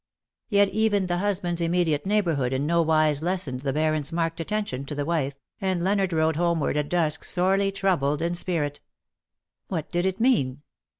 Yet even the husband^s immediate neighbourhood in no wise lessened the Baron^s marked attention to the wife, and Leonard rode homeward at dusk sorely troubled in spirit. What did it mean